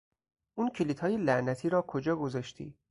اون کلیدهای لعنتی را کجا گذاشتی؟